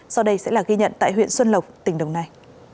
sau đây sẽ là ghi nhận tại huyện xuân lộc tỉnh đồng nai